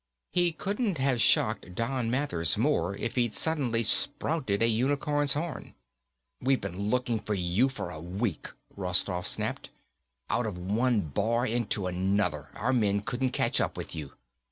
He couldn't have shocked Don Mathers more if he'd suddenly sprouted a unicorn's horn. "We've been looking for you for a week," Rostoff snapped. "Out of one bar, into another, our men couldn't catch up with you.